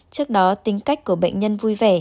trước đó tính cách của bệnh nhân vui vẻ